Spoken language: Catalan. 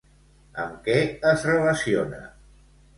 Amb què es relaciona?